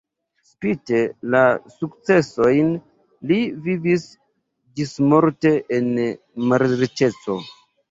Spite la sukcesojn li vivis ĝismorte en malriĉeco.